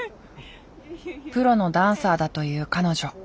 プロのダンサーだという彼女。